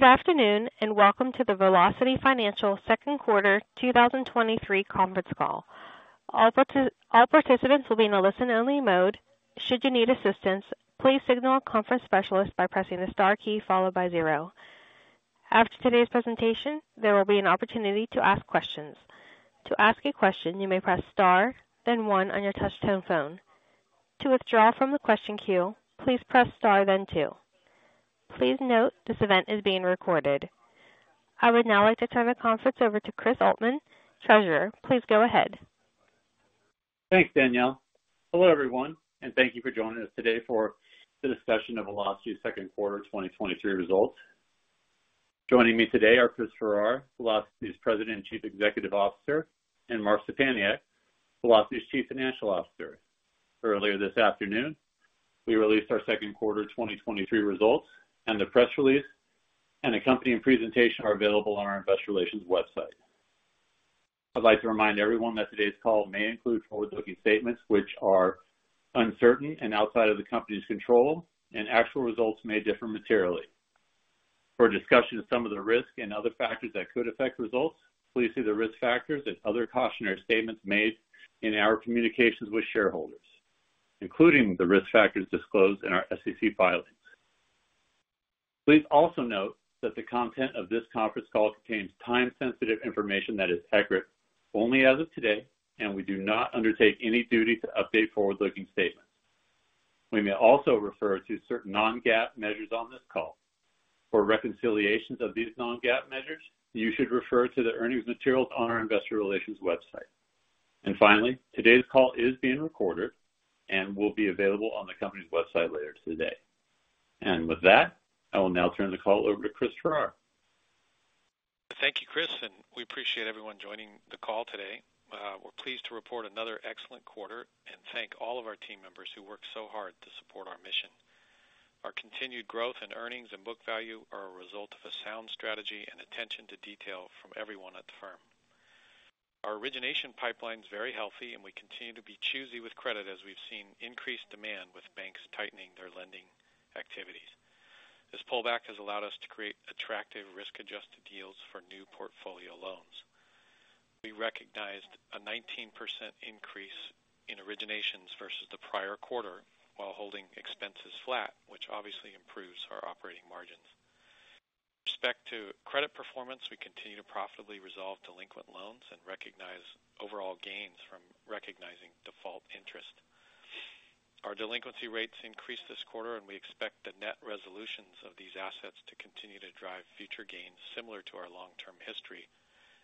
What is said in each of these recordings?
Good afternoon, welcome to the Velocity Financial second quarter 2023 conference call. All participants will be in a listen-only mode. Should you need assistance, please signal a conference specialist by pressing the star key followed by zero. After today's presentation, there will be an opportunity to ask questions. To ask a question, you may press star, then one on your touch-tone phone. To withdraw from the question queue, please press star, then two. Please note, this event is being recorded. I would now like to turn the conference over to Chris Oltmann, Treasurer. Please go ahead. Thanks, Danielle. Hello, everyone, and thank you for joining us today for the discussion of Velocity's second quarter 2023 results. Joining me today are Chris Farrar, Velocity's President and Chief Executive Officer, and Mark Szczepaniak, Velocity's Chief Financial Officer. Earlier this afternoon, we released our second quarter 2023 results, and the press release and accompanying presentation are available on our Investor Relations website. I'd like to remind everyone that today's call may include forward-looking statements which are uncertain and outside of the company's control, and actual results may differ materially. For a discussion of some of the risks and other factors that could affect results, please see the risk factors and other cautionary statements made in our communications with shareholders, including the risk factors disclosed in our SEC filings. Please also note that the content of this conference call contains time-sensitive information that is accurate only as of today. We do not undertake any duty to update forward-looking statements. We may also refer to certain non-GAAP measures on this call. For reconciliations of these non-GAAP measures, you should refer to the earnings materials on our investor relations website. Finally, today's call is being recorded and will be available on the company's website later today. With that, I will now turn the call over to Chris Farrar. Thank you, Chris. We appreciate everyone joining the call today. We're pleased to report another excellent quarter and thank all of our team members who work so hard to support our mission. Our continued growth in earnings and book value are a result of a sound strategy and attention to detail from everyone at the firm. Our origination pipeline is very healthy, and we continue to be choosy with credit as we've seen increased demand with banks tightening their lending activities. This pullback has allowed us to create attractive risk-adjusted deals for new portfolio loans. We recognized a 19% increase in originations versus the prior quarter while holding expenses flat, which obviously improves our operating margins. With respect to credit performance, we continue to profitably resolve delinquent loans and recognize overall gains from recognizing default interest. Our delinquency rates increased this quarter. We expect the net resolutions of these assets to continue to drive future gains similar to our long-term history,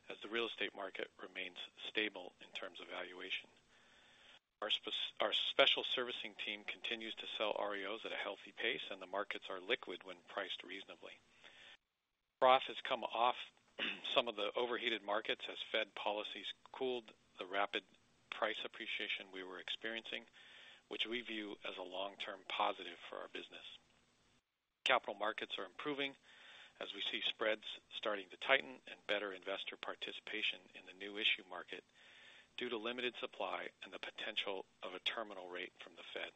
as the real estate market remains stable in terms of valuation. Our special servicing team continues to sell REOs at a healthy pace, and the markets are liquid when priced reasonably. CRE has come off some of the overheated markets as Fed policies cooled the rapid price appreciation we were experiencing, which we view as a long-term positive for our business. Capital markets are improving as we see spreads starting to tighten and better investor participation in the new issue market due to limited supply and the potential of a terminal rate from the Fed.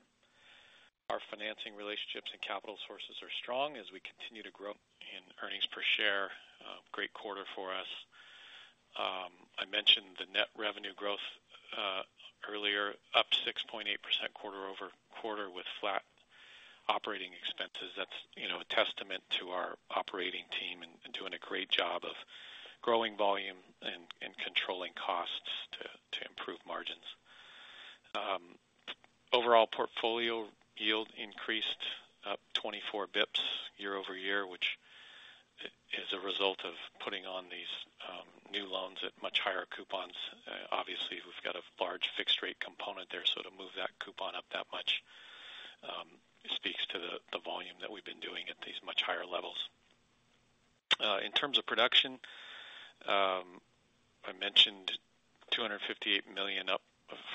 Our financing relationships and capital sources are strong as we continue to grow in earnings per share. Great quarter for us. I mentioned the net revenue growth earlier, up 6.8% quarter-over-quarter with flat operating expenses. That's, you know, a testament to our operating team in doing a great job of growing volume and controlling costs to improve margins. Overall portfolio yield increased up 24 basis points year-over-year, which is a result of putting on these new loans at much higher coupons. Obviously, we've got a large fixed-rate component there, so to move that coupon up that much speaks to the volume that we've been doing at these much higher levels. In terms of production, I mentioned $258 million up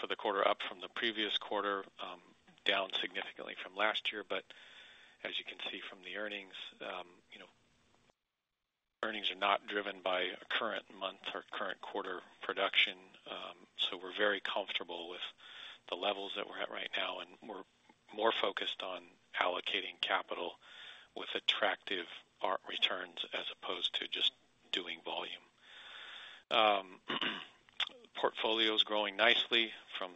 for the quarter, up from the previous quarter, down significantly from last year. As you can see from the earnings, you know, earnings are not driven by current month or current quarter production. We're very comfortable with the levels that we're at right now, and we're more focused on allocating capital with attractive risk-adjusted returns as opposed to just doing volume. Portfolio is growing nicely from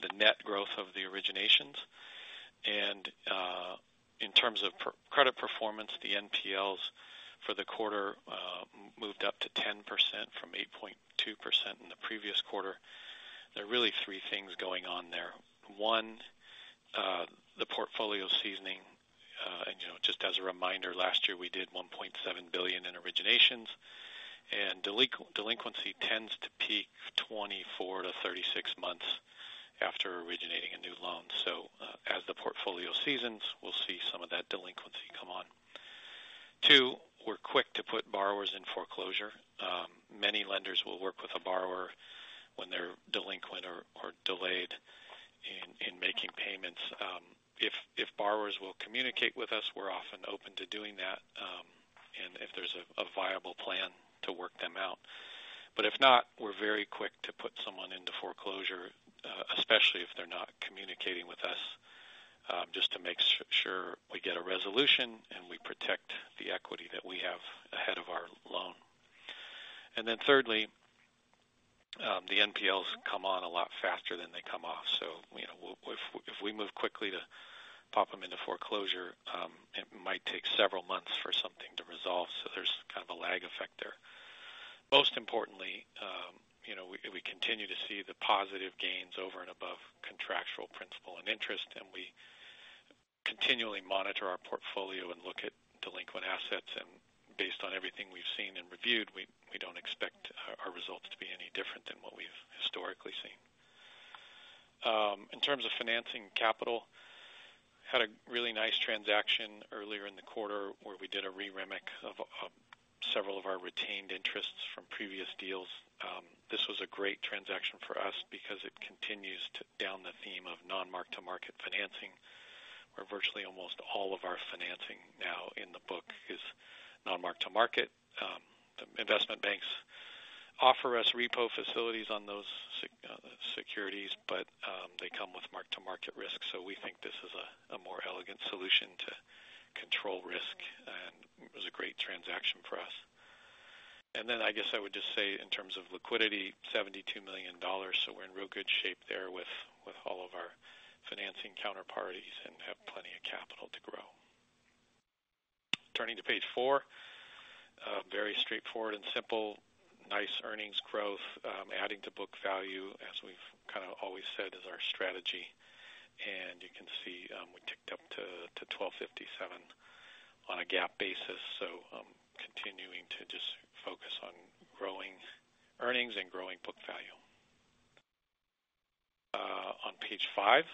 the net growth of the originations. In terms of credit performance, the NPLs for the quarter moved up to 10% from 8.2% in the previous quarter. There are really three things going on there. One, the portfolio seasoning. You know, just as a reminder, last year, we did $1.7 billion in originations, and delinquency tends to peak 24-36 months after originating a new loan. As the portfolio seasons, we'll see some of that delinquency come on. Two, we're quick to put borrowers in foreclosure. Many lenders will work with a borrower when they're delinquent or, or delayed in, in making payments. If, if borrowers will communicate with us, we're often open to doing that, and if they work them out. If not, we're very quick to put someone into foreclosure, especially if they're not communicating with us, just to make sure we get a resolution, and we protect the equity that we have ahead of our loan. Thirdly, the NPLs come on a lot faster than they come off. You know, if, if we move quickly to pop them into foreclosure, it might take several months for something to resolve, so there's kind of a lag effect there. Most importantly, you know, we, we continue to see the positive gains over and above contractual principal and interest, and we continually monitor our portfolio and look at delinquent assets. Based on everything we've seen and reviewed, we, we don't expect our, our results to be any different than what we've historically seen. In terms of financing capital, had a really nice transaction earlier in the quarter, where we did a re-REMIC of several of our retained interests from previous deals. This was a great transaction for us because it continues to down the theme of non-mark-to-market financing, where virtually almost all of our financing now in the book is non-mark-to-market. Investment banks offer us repo facilities on those securities, but, they come with mark-to-market risk. We think this is a, a more elegant solution to control risk, and it was a great transaction for us. I guess I would just say, in terms of liquidity, $72 million, so we're in real good shape there with, with all of our financing counterparties and have plenty of capital to grow. Turning to page four, very straightforward and simple. Nice earnings growth, adding to book value, as we've kind of always said is our strategy. You can see, we ticked up to, to $12.57 on a GAAP basis. Continuing to just focus on growing earnings and growing book value. On page five,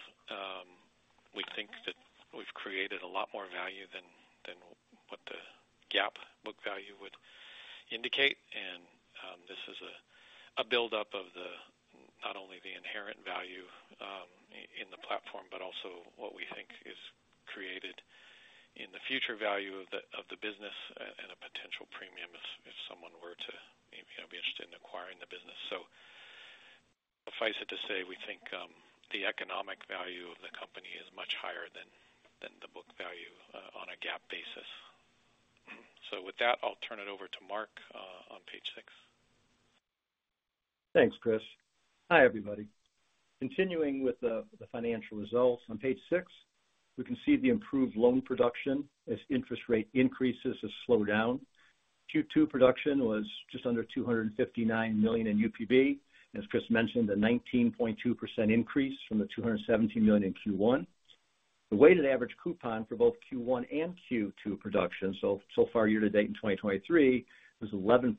we think that we've created a lot more value than, than what the GAAP book value would indicate. This is a, a buildup of the, not only the inherent value, in the platform but also what we think is created in the future value of the, of the business and, and a potential premium if, if someone were to, you know, be interested in acquiring the business. Suffice it to say, we think, the economic value of the company is much higher than, than the book value, on a GAAP basis. With that, I'll turn it over to Mark, on page six. Thanks, Chris. Hi, everybody. Continuing with the financial results on page six, we can see the improved loan production as interest rate increases has slowed down. Q2 production was just under $259 million in UPB. As Chris mentioned, a 19.2% increase from the $217 million in Q1. The weighted average coupon for both Q1 and Q2 production, year to date in 2023, was 11%.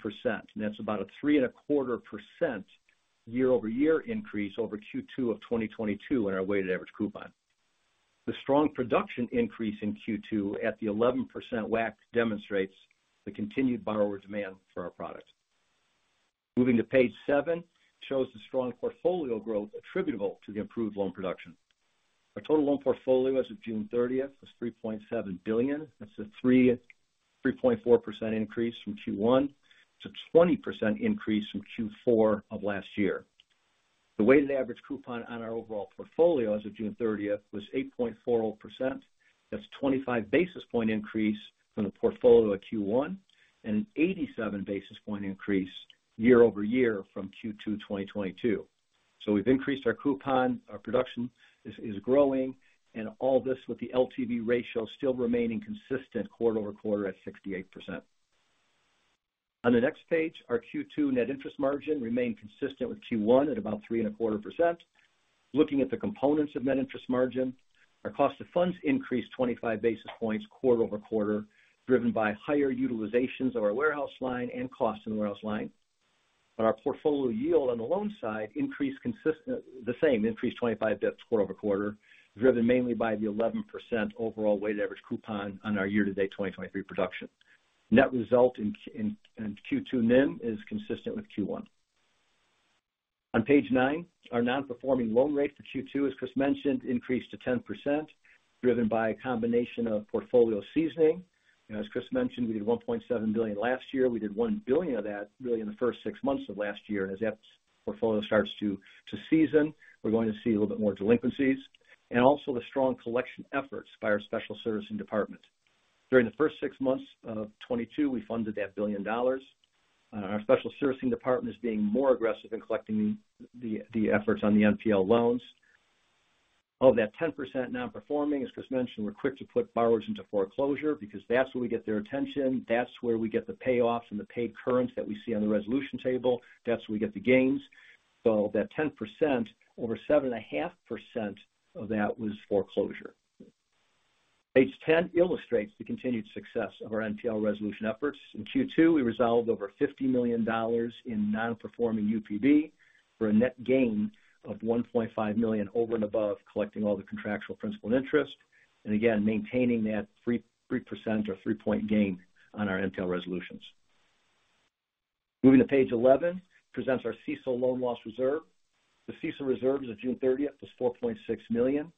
That's about a 3.25% year-over-year increase over Q2 of 2022 in our weighted average coupon. The strong production increase in Q2 at the 11% WAC demonstrates the continued borrower demand for our product. Moving to page seven, shows the strong portfolio growth attributable to the improved loan production. Our total loan portfolio as of June 30th, was $3.7 billion. That's a 3.4% increase from Q1. It's a 20% increase from Q4 of last year. The weighted average coupon on our overall portfolio as of June 30th, was 8.40%. That's a 25 basis point increase from the portfolio at Q1, and an 87 basis point increase year-over-year from Q2 2022. We've increased our coupon. Our production is, is growing, and all this with the LTV ratio still remaining consistent quarter-over-quarter at 68%. On the next page, our Q2 net interest margin remained consistent with Q1 at about 3.25%. Looking at the components of net interest margin, our cost of funds increased 25 basis points quarter-over-quarter, driven by higher utilizations of our warehouse line and cost in the warehouse line. Our portfolio yield on the loan side increased consistent, the same, increased 25 bips quarter-over-quarter, driven mainly by the 11% overall weighted average coupon on our year-to-date 2023 production. Net result in Q2 NIM is consistent with Q1. On page nine, our non-performing loan rate for Q2, as Chris mentioned, increased to 10%, driven by a combination of portfolio seasoning. As Chris mentioned, we did $1.7 billion last year. We did $1 billion of that really in the first six months of last year. As that portfolio starts to season, we're going to see a little bit more delinquencies and also the strong collection efforts by our special servicing department. During the first six months of 2022, we funded that $1 billion. Our special servicing department is being more aggressive in collecting the, the, the efforts on the NPL loans. Of that 10% non-performing, as Chris mentioned, we're quick to put borrowers into foreclosure because that's where we get their attention, that's where we get the payoffs and the paid current that we see on the resolution table. That's where we get the gains. That 10%, over 7.5% of that was foreclosure. Page 10 illustrates the continued success of our NPL resolution efforts. In Q2, we resolved over $50 million in non-performing UPB for a net gain of $1.5 million over and above, collecting all the contractual principal and interest, and again, maintaining that 3% or three-point gain on our NPL resolutions. Moving to page 11, presents our CECL loan loss reserve. The CECL reserves of June 30th was $4.6 million,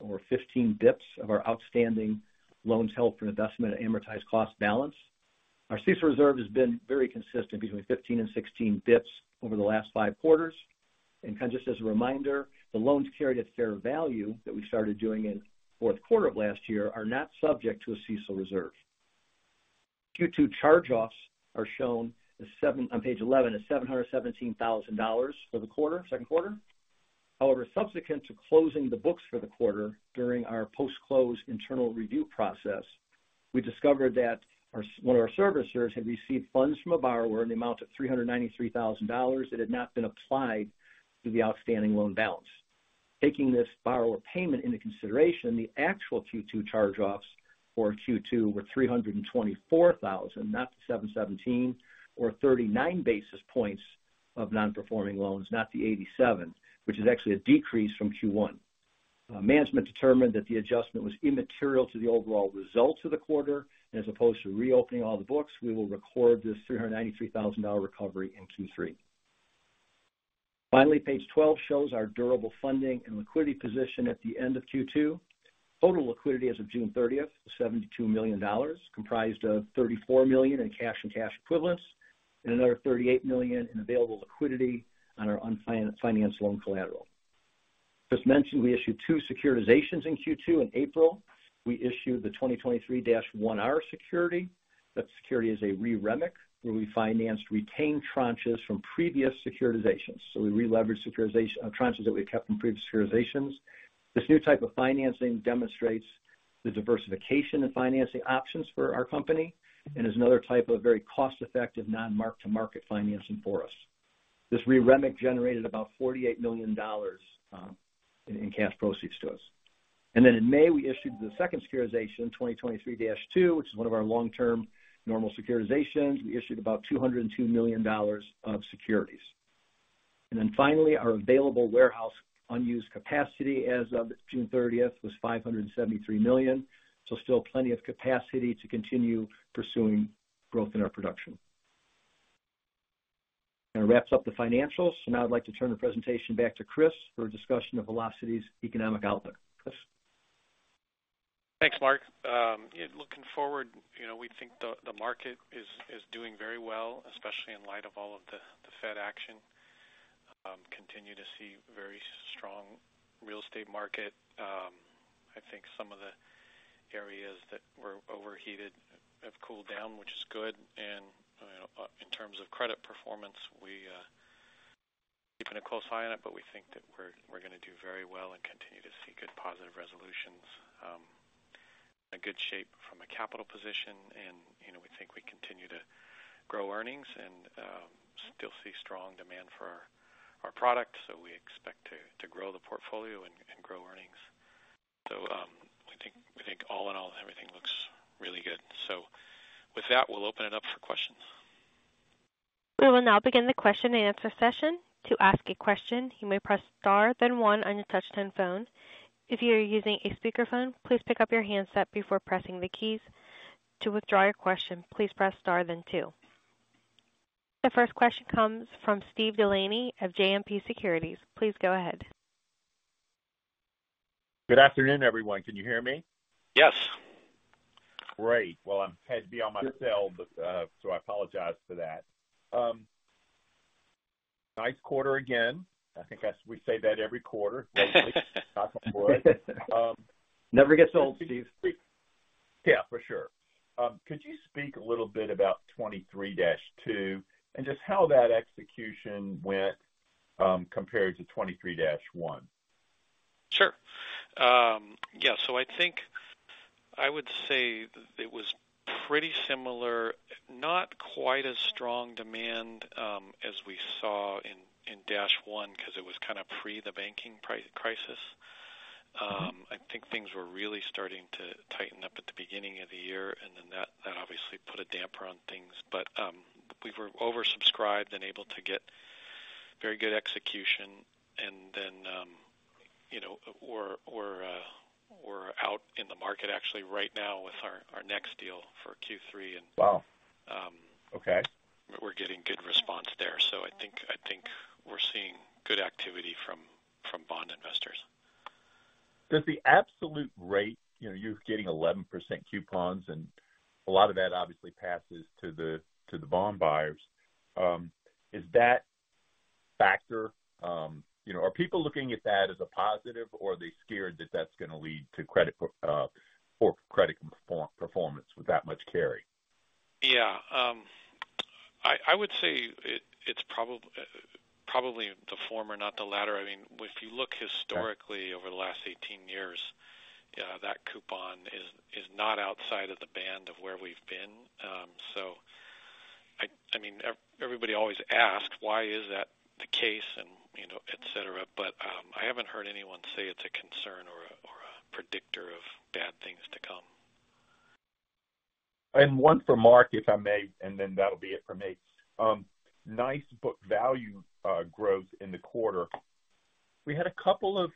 or 15 bips of our outstanding loans held for investment at amortized cost balance. Our CECL reserve has been very consistent between 15 and 16 bips over the last five quarters. Kind of just as a reminder, the loans carried at fair value that we started doing in 4th quarter of last year are not subject to a CECL reserve. Q2 charge-offs are shown on page 11 as $717,000 for the quarter, 2nd quarter. However, subsequent to closing the books for the quarter, during our post-close internal review process, we discovered that our, one of our servicers had received funds from a borrower in the amount of $393,000 that had not been applied to the outstanding loan balance. Taking this borrower payment into consideration, the actual Q2 charge-offs for Q2 were $324,000, not the 717 or 39 basis points of non-performing loans, not the 87, which is actually a decrease from Q1. Management determined that the adjustment was immaterial to the overall results of the quarter. As opposed to reopening all the books, we will record this $393,000 recovery in Q3. Finally, page 12 shows our durable funding and liquidity position at the end of Q2. Total liquidity as of June 30th, $72 million, comprised of $34 million in cash and cash equivalents, and another $38 million in available liquidity on our unfinance, financed loan collateral. As mentioned, we issued two securitizations in Q2. In April, we issued the 2023-1R security. That security is a re-REMIC, where we financed retained tranches from previous securitizations. We re-leveraged securitization tranches that we've kept from previous securitizations. This new type of financing demonstrates the diversification and financing options for our company and is another type of very cost-effective, non-mark-to-market financing for us. This re-REMIC generated about $48 million in cash proceeds to us. Then in May, we issued the second securitization, 2023-2, which is one of our long-term normal securitizations. We issued about $202 million of securities. Finally, our available warehouse, unused capacity as of June 30th, was $573 million. Still plenty of capacity to continue pursuing growth in our production. That wraps up the financials. Now I'd like to turn the presentation back to Chris for a discussion of Velocity's economic outlook. Chris? Thanks, Mark. Looking forward, you know, we think the, the market is, is doing very well, especially in light of all of the, the Fed action. Continue to see very strong real estate market. I think some of the areas that were overheated have cooled down, which is good. In terms of credit performance, we, keeping a close eye on it, but we think that we're, we're going to do very well and continue to see good positive resolutions. A good shape from a capital position. You know, we think we continue to grow earnings and, still see strong demand for our, our products. We expect to, to grow the portfolio and, and grow earnings. We think, we think all in all, everything looks really good. With that, we'll open it up for questions. We will now begin the question and answer session. To ask a question, you may press star, then one on your touch-tone phone. If you are using a speakerphone, please pick up your handset before pressing the keys. To withdraw your question, please press star then two. The first question comes from Steve DeLaney of JMP Securities. Please go ahead. Good afternoon, everyone. Can you hear me? Yes. Great! Well, I'm, had to be on my cell, but, so I apologize for that. Nice quarter, again. I think we say that every quarter. Knock on wood. Never gets old, Steve. Yeah, for sure. Could you speak a little bit about 2023-2 and just how that execution went, compared to 2023-1? Sure. I think I would say it was pretty similar, not quite as strong demand, as we saw in, in 2023-1, because it was kind of pre the banking crisis. I think things were really starting to tighten up at the beginning of the year, and then that, that obviously put a damper on things. We were oversubscribed and able to get very good execution. You know, we're, we're, we're out in the market actually right now with our, our next deal for Q3 and... Wow! Okay. We're getting good response there. I think, I think we're seeing good activity from, from bond investors. Does the absolute rate, you know, you're getting 11% coupons, and a lot of that obviously passes to the, to the bond buyers. Is that factor, you know, are people looking at that as a positive, or are they scared that that's going to lead to credit, poor credit performance with that much carry? Yeah. I, I would say it, it's probably the former, not the latter. I mean, if you look historically over the last 18 years, that coupon is, is not outside of the band of where we've been. I, I mean, everybody always asks, why is that the case? You know, et cetera. I haven't heard anyone say it's a concern or a, or a predictor of bad things to come. One for Mark, if I may, and then that'll be it for me. Nice book value growth in the quarter. We had a couple of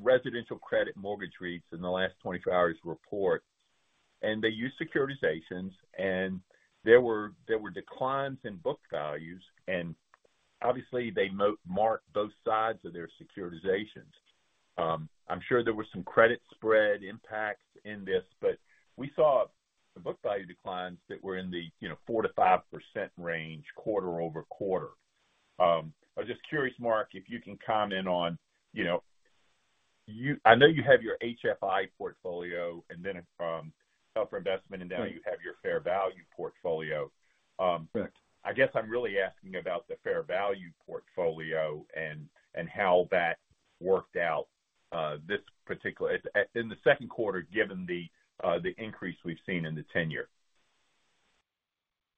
residential credit mortgage REITs in the last 24 hours report, and they used securitizations, and there were, there were declines in book values, and obviously they mark both sides of their securitizations. I'm sure there were some credit spread impacts in this, but we saw the book value declines that were in the, you know, 4%-5% range quarter-over-quarter. I was just curious, Mark, if you can comment on, you know, I know you have your HFI portfolio and then, held for investment, and then you have your fair value portfolio. Correct. I guess I'm really asking about the fair value portfolio and, and how that worked out, in the second quarter, given the increase we've seen in the 10-year.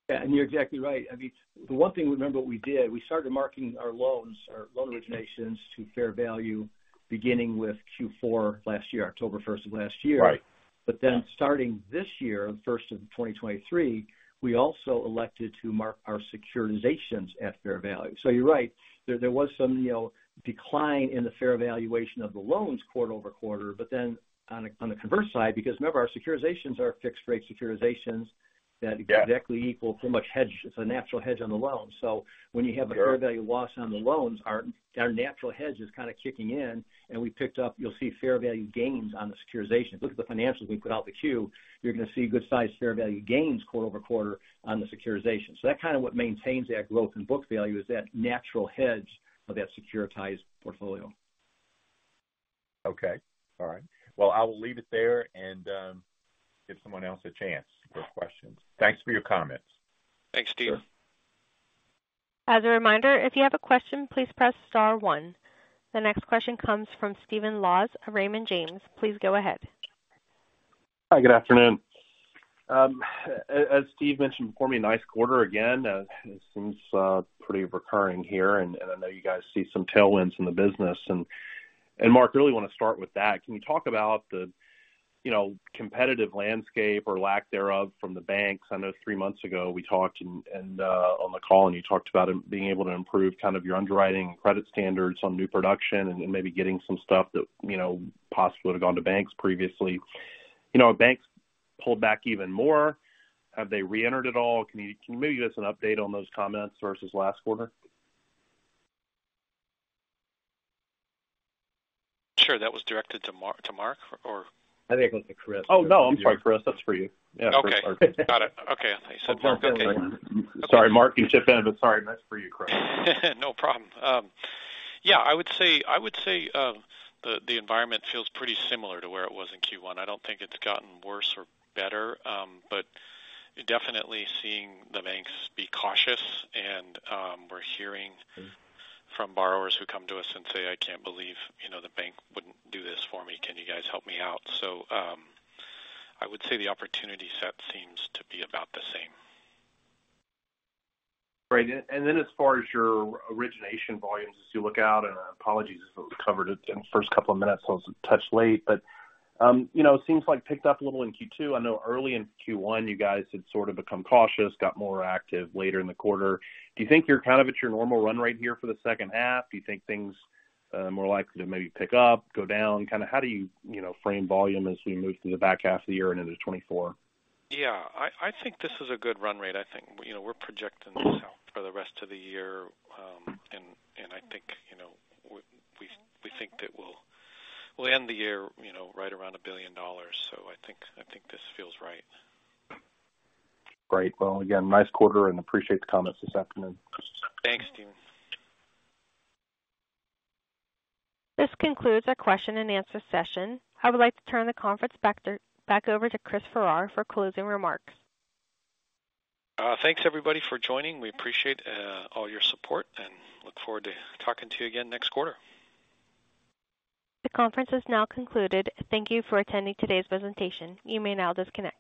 Yeah, you're exactly right. I mean, the one thing, remember, what we did, we started marking our loans, our loan originations, to fair value, beginning with Q4 last year, October first of last year. Right. Then starting this year, on the first of 2023, we also elected to mark our securitizations at fair value. You're right, there, there was some, you know, decline in the fair valuation of the loans quarter over quarter. Then on a, on the converse side, because remember, our securitizations are fixed rate securitizations that- Yeah exactly equal, pretty much hedge. It's a natural hedge on the loans. when you have- Sure The fair value loss on the loans, our, our natural hedge is kind of kicking in, and we picked up... You'll see fair value gains on the securitizations. Look at the financials we put out the Q, you're going to see good-sized fair value gains quarter-over-quarter on the securitization. That kind of what maintains that growth and book value, is that natural hedge of that securitized portfolio. Okay. All right. Well, I will leave it there and, give someone else a chance to ask questions. Thanks for your comments. Thanks, Steve. As a reminder, if you have a question, please press star one. The next question comes from Stephen Laws of Raymond James. Please go ahead. Hi, good afternoon. As Steve mentioned before me, nice quarter again. It seems pretty recurring here, and I know you guys see some tailwinds in the business. Mark, I really want to start with that. Can you talk about the, you know, competitive landscape or lack thereof from the banks? I know three months ago we talked on the call, and you talked about being able to improve kind of your underwriting credit standards on new production and maybe getting some stuff that, you know, possibly would have gone to banks previously. You know, have banks pulled back even more? Have they reentered at all? Can you maybe give us an update on those comments versus last quarter? Sure. That was directed to Mark, or? I think it was to Chris. Oh, no, I'm sorry, Chris, that's for you. Okay. Yeah. Got it. Okay. I thought you said Mark. Okay. Sorry, Mark, you chipped in, but sorry, that's for you, Chris. No problem. Yeah, I would say, I would say, the, the environment feels pretty similar to where it was in Q1. I don't think it's gotten worse or better, but definitely seeing the banks be cautious. We're hearing from borrowers who come to us and say, "I can't believe, you know, the bank wouldn't do this for me. Can you guys help me out?" I would say the opportunity set seems to be about the same. Great. As far as your origination volumes, as you look out, and apologies if it was covered in the first couple of minutes, I was a touch late, but, you know, it seems like picked up a little in Q2. I know early in Q1, you guys had sort of become cautious, got more active later in the quarter. Do you think you're kind of at your normal run rate here for the second half? Do you think things, more likely to maybe pick up, go down? Kind of how do you, you know, frame volume as we move through the back half of the year and into 2024? Yeah, I, I think this is a good run rate. I think, you know, we're projecting this out for the rest of the year. I think, you know, we, we, we think that we'll, we'll end the year, you know, right around $1 billion. I think, I think this feels right. Great. Well, again, nice quarter, and appreciate the comments this afternoon. Thanks, Stephen. This concludes our question and answer session. I would like to turn the conference back over to Chris Farrar for closing remarks. Thanks, everybody, for joining. We appreciate all your support and look forward to talking to you again next quarter. The conference is now concluded. Thank you for attending today's presentation. You may now disconnect.